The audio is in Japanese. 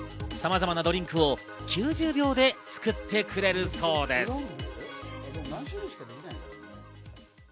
さまざまなドリンクを９０秒で作ってくれるそうです。